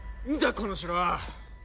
この城は！